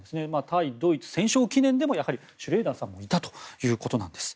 対ドイツ戦勝記念でもシュレーダーさんもいたということなんです。